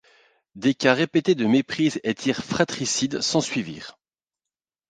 Des cas répétés de méprises et tirs fratricides s'ensuivirent.